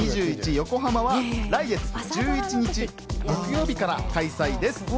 横浜は来月１１日木曜日から開催です。